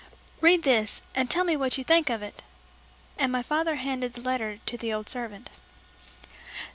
"Read this, and tell me what you think of it," and my father handed the letter to the old servant.